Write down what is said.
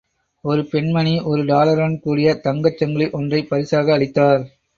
ஒரு பெண்மணி ஒரு டாலருடன் கூடிய தங்கச் சங்கிலி ஒன்றைப் பரிசாக அளித்தார்.